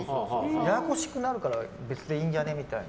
ややこしくなるから別でいいんじゃねみたいな。